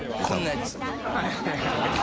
こんなやつ。